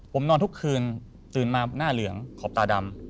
ผมนอนทุกคืนตื่นมาหน้าเหลืองขอบตาดำ